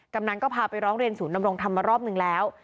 ำนันก็พาไปร้องเรียนศูนย์ดำรงธรรมมารอบหนึ่งแล้ว